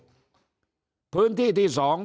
ไฟแผ่งพื้นที่ที่สอง